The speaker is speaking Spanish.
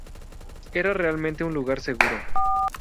Era realmente un lugar seguro".